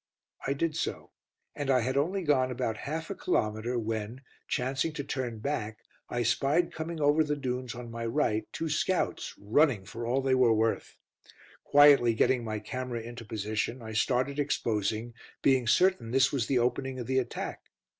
I did so; and I had only gone about half a kilometre when, chancing to turn back, I spied coming over the dunes on my right two scouts, running for all they were worth. Quietly getting my camera into position, I started exposing, being certain this was the opening of the attack.